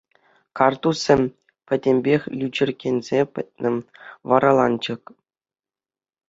Карттусӗ пӗтӗмпех лӳчӗркенсе пӗтнӗ, вараланчӑк.